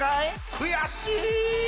悔しい！